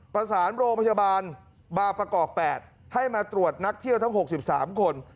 ประสานโรงพยาบาลบางประกอบ๘ให้มาตรวจนักเที่ยวทั้ง๖๓คน